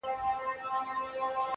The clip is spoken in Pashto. هره ورځ په دروازه کي اردلیان وه!.